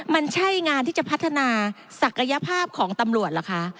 มันใช่งานที่จะพัฒนาศักยภาพของตำรวจเหรอคะ